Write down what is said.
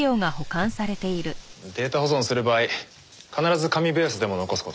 データ保存する場合必ず紙ベースでも残す事。